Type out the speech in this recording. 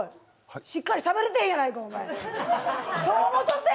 しっかりしゃべれてへんやないか。